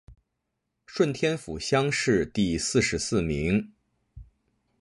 顺天府乡试第四十四名。